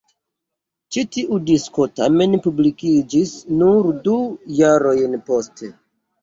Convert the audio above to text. Ĉi tiu disko tamen publikiĝis nur du jarojn poste.